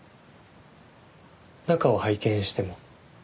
中を拝見しても？